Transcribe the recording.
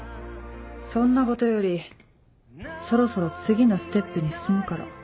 そんなことよりそろそろ次のステップに進むから。